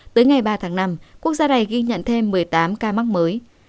tới ngày ba tháng năm quốc gia này ghi nhận thêm một mươi tám ca mắc mới